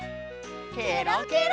ケロケロ！